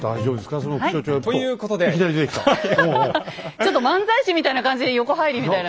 ちょっと漫才師みたいな感じで横入りみたいな。